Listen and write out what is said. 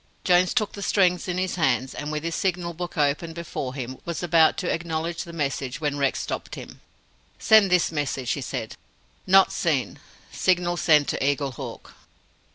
Jones took the strings in his hands, and, with his signal book open before him, was about to acknowledge the message, when Rex stopped him. "Send this message," he said. "NOT SEEN! SIGNAL SENT TO EAGLEHAWK!"